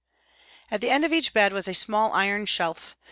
At each end of the bed was a small iron shelf.